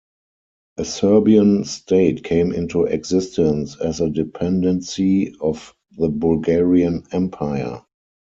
A Serbian state came into existence as a dependency of the Bulgarian Empire.